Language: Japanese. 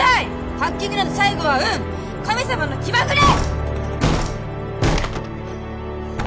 ハッキングなんて最後は運神様の気まぐれ！